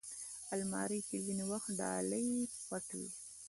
الماري کې ځینې وخت ډالۍ پټ وي